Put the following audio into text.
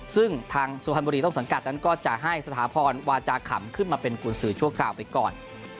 ซึ่งทางสุพรรณบุรีต้นสังกัดนั้นก็จะให้สถาพรวาจาขำขึ้นมาเป็นกุญสือชั่วคราวไปก่อน